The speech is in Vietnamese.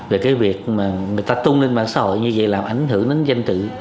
về cái việc mà người ta tung lên mạng xã hội như vậy làm ảnh hưởng đến danh tự